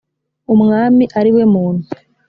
umwami ari we muntu